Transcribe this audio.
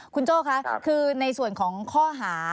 คุณโจ้คะคือในส่วนของข้อหา